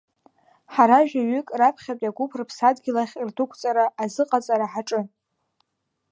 Ҳара жәаҩык раԥхьатәи агәыԥ рыԥсадгьыл ахь рдәықәҵара азыҟаҵара ҳаҿын.